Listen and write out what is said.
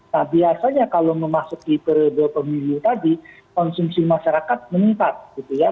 nah biasanya kalau memasuki periode pemilu tadi konsumsi masyarakat meningkat gitu ya